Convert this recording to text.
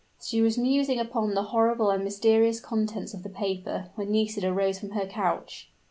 She was musing upon the horrible and mysterious contents of the paper, when Nisida rose from her couch.